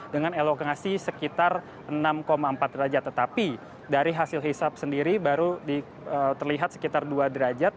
dengan elokasi sekitar enam empat derajat tetapi dari hasil hisap sendiri baru terlihat sekitar dua derajat